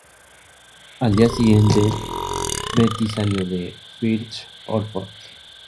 Al día siguiente, Beatty salió de Firth of Forth.